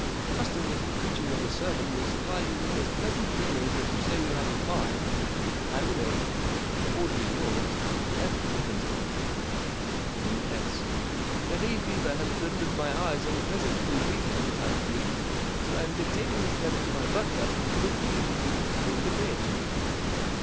44 Trusting that his preaching of the sermon will supply you with as pleasant memories as you say you have of mine, I remain, 44 Cordially yours, 44 F. Heppenstall. 44 P.S.—The hay fever has rendered my eyes unpleasantly weak for the time being, so I am dictating this letter to my butler, Brookfield, who will convey it to you."